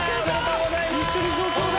一緒に上京だ。